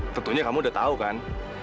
tentunya kamu sudah tahu kan